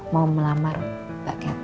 mau melamar pak catherine